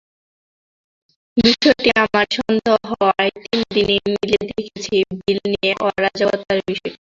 বিষয়টি আমার সন্দেহ হওয়ায় তিন দিনই মিলিয়ে দেখেছি বিল নিয়ে অরাজকতার বিষয়টি।